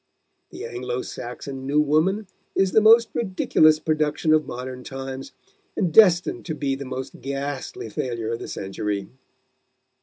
The Anglo Saxon 'new woman' is the most ridiculous production of modern times, and destined to be the most ghastly failure of the century."